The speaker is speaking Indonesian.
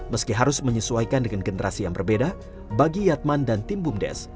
meski harus menyesuaikan dengan generasi yang berbeda bagi yatman dan tim bumdes